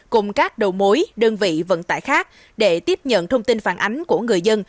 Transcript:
cùng các đầu mối đơn vị vận tải khác để tiếp nhận thông tin phản ánh của người dân